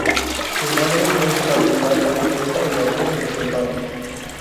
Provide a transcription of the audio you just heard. Su madre no es partidaria de esa relación y los separa.